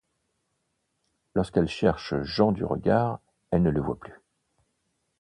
Lorsqu'elle cherche Jean du regard, elle ne le voit plus.